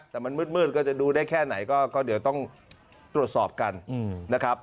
แต่มันมืดก็จะดูได้แค่ไหนก็เดี๋ยวต้องตรวจสอบกันนะครับ